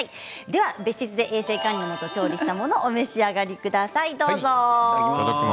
では別室で衛生管理のもと調理したものをお召し上がりください。